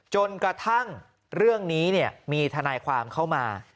จนกระทั่งเรื่องนี้มีทนายความเข้ามา